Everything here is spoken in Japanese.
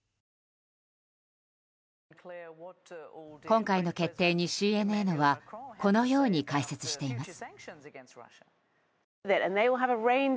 今回の決定にＣＮＮはこのように解説しています。